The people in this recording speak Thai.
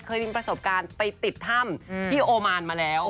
มีประสบการณ์ไปติดถ้ำที่โอมานมาแล้ว